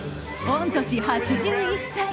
御年８１歳。